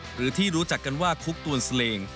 หรือที่รู้จักกันว่าคุกตวนเสลง